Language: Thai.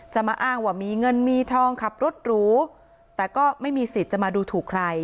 มาอ้างว่ามีเงินมีทองขับรถหรูแต่ก็ไม่มีสิทธิ์จะมาดูถูกใคร